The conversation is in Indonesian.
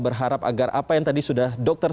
berharap agar apa yang tadi sudah dokter